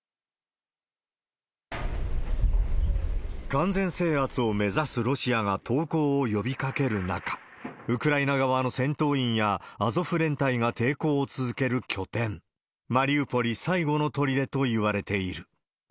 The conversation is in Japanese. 完全制圧を目指すロシアが投降を呼びかける中、ウクライナ側の戦闘員やアゾフ連隊が抵抗を続ける拠点、マリウポリ最後のとりでといわれている。